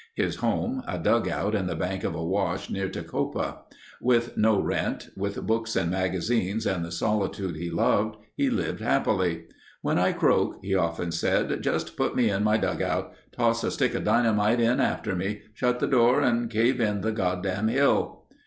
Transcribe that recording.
His home, a dugout in the bank of a wash near Tecopa. With no rent, with books and magazines and the solitude he loved, he lived happily. "When I croak," he often said, "just put me in my dugout. Toss a stick of dynamite in after me. Shut the door and cave in the goddam' hill."